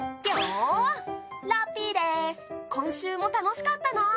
今週も楽しかったな。